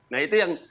nah itu yang